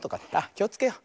きをつけよう。